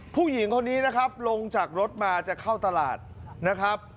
ผู้หญิงคนนี้นะครับลงจากรถมาจะเข้าตลาดนะครับ